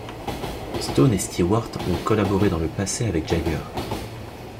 Stone et Stewart ont collaboré dans le passé avec Jagger.